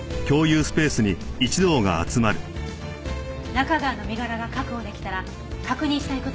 中川の身柄が確保できたら確認したい事があるの。